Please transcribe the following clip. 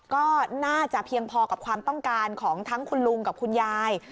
ก็น่าจะเพียงพอกับความต้องการของทั้งคุณลุงกับคุณยาย